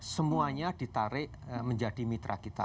semuanya ditarik menjadi mitra kita